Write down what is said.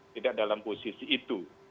tidak dalam posisi itu